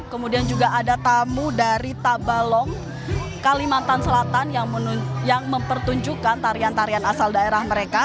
kemudian juga ada tamu dari tabalong kalimantan selatan yang mempertunjukkan tarian tarian asal daerah mereka